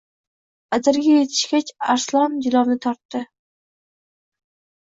Adirga yetishgach arslon jilovni tortdi